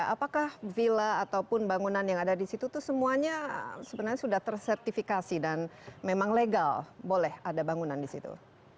apakah villa ataupun bangunan yang ada di situ itu semuanya sebenarnya sudah tersertifikasi dan memang legal boleh ada bangunan di situ